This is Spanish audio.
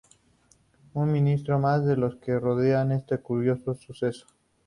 Un misterio más de los que rodean este curioso suceso.